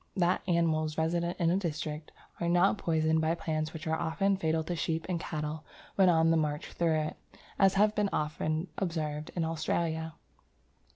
That animals resident in a district are not poisoned by plants which are often fatal to sheep and cattle when on the march through it, has been often observed in Australia.